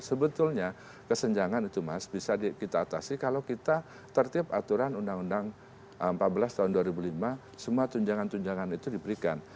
sebetulnya kesenjangan itu mas bisa kita atasi kalau kita tertip aturan undang undang empat belas tahun dua ribu lima semua tunjangan tunjangan itu diberikan